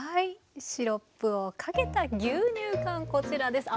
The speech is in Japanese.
シロップをかけた牛乳かんこちらです。